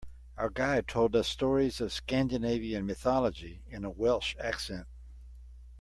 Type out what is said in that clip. Our guide told us stories of Scandinavian mythology in a Welsh accent.